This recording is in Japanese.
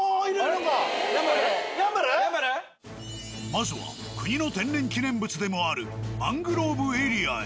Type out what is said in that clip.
まずは国の天然記念物でもあるマングローブエリアへ。